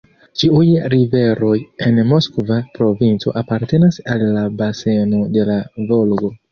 Ĉiuj riveroj en Moskva provinco apartenas al la baseno de la Volgo.